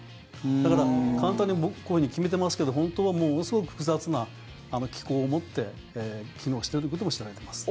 だから、簡単にこういうふうに決めてますけど本当はものすごく複雑な機構を持って機能していることも知られてます。